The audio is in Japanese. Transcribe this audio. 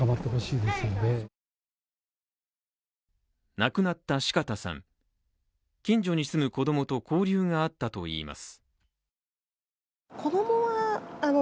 亡くなった四方さん、近所に住む子供と交流があったといいます。